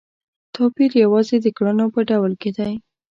توپیر یوازې د کړنو په ډول کې دی.